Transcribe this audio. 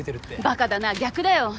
ばかだな逆だよ。